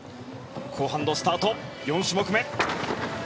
後半のスタート、４種目目。